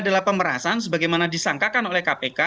adalah pemerasan sebagaimana disangkakan oleh kpk